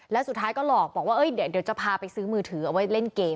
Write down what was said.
แล้วสุดท้ายก็หลอกบอกว่าเดี๋ยวจะพาไปซื้อมือถือเอาไว้เล่นเกม